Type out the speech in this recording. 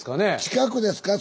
近くですか？